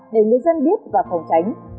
để người dân biết và phòng tránh